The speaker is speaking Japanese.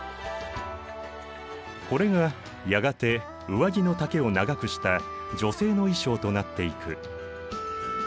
これがやがて上着の丈を長くした女性の衣装となっていく。